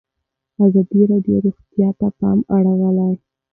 ازادي راډیو د روغتیا ته پام اړولی.